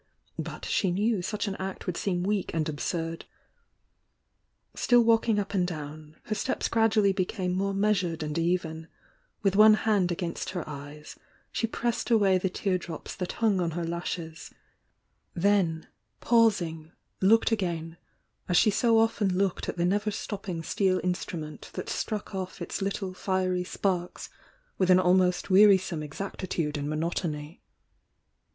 — but she knew such an act would seem weak and absurd. Still walking up and down, her steps gradually became more measured and even, — with one hand against her eyes, she pressed away the tear drops that hung on her lashes — then, pausing, looked again, as she so often looked at the never stopping steel instrument that struck off its little fiery sparks with an almost wearisome exactitude and monotony.